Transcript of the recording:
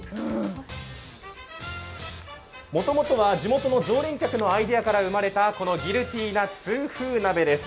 もともとは地元の常連客のアイデアから生まれた、このギルティな痛風鍋です。